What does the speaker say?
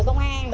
thời gian đó đâu